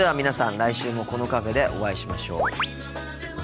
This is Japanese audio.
来週もこのカフェでお会いしましょう。